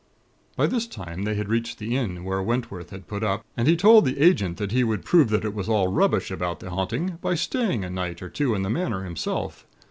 "By this time they had reached the inn where Wentworth had put up, and he told the Agent that he would prove that it was all rubbish about the haunting, by staying a night or two in the Manor himself.